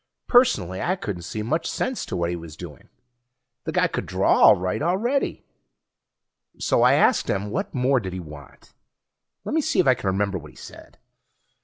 Personally, I couldn't see much sense to what he was doing. The guy could draw all right already, so I asked him what more did he want? Lemme see if I can remember what he said.